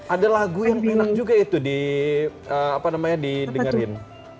ada lagu yang enak juga itu di apa namanya di dengerin